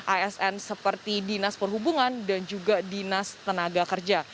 asn seperti dinas perhubungan dan juga dinas tenaga kerja